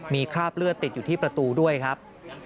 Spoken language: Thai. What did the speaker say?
มีคราบเลือดติดอยู่ที่ประตูด้วยครับ